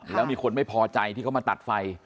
แล้วมีคนไม่พอใจที่เขามาตัดไฟ